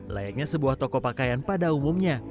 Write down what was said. layaknya sebuah toko pakaian pada umumnya